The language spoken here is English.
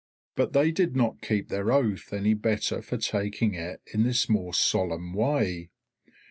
But they did not keep their oath any better for taking it in this more solemn way.